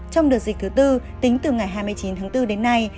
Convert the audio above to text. trong đợt dịch thứ tư tính từ ngày hai mươi chín tháng bốn đến nay